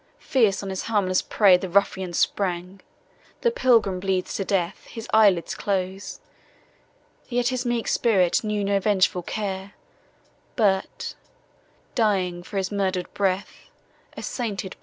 Fierce on his harmless prey the ruffian sprang! The Pilgrim bleeds to death, his eye lids close. Yet his meek spirit knew no vengeful care, But, dying, for his murd'rer breath'd—a sainted pray'r!